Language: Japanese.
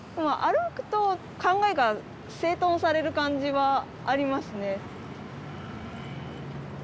歩くと考えが整頓される感じはありますね。